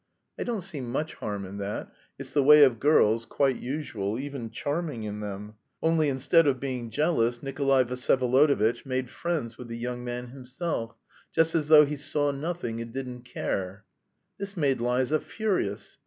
I don't see much harm in that; it's the way of girls, quite usual, even charming in them. Only instead of being jealous Nikolay Vsyevolodovitch made friends with the young man himself, just as though he saw nothing and didn't care. This made Liza furious.